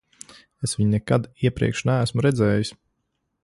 Es viņu nekad iepriekš neesmu redzējis.